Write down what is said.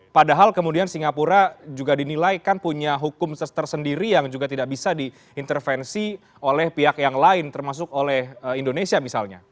padahal kemudian singapura juga dinilai kan punya hukum tersendiri yang juga tidak bisa diintervensi oleh pihak yang lain termasuk oleh indonesia misalnya